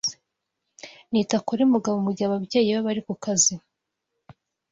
Nita kuri Mugabo mugihe ababyeyi be bari kukazi.